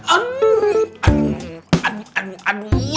aduh aduh aduh aduh